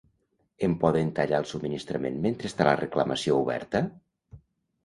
Em poden tallar el Subministrament mentre està la reclamació oberta?